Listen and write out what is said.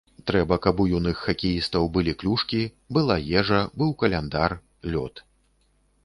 Трэба, каб у юных хакеістаў былі клюшкі, была ежа, быў каляндар, лёд.